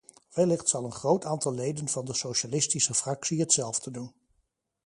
Wellicht zal een groot aantal leden van de socialistische fractie hetzelfde doen.